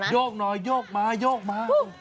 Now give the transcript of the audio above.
ยอกหน่อยยอกมายอกมา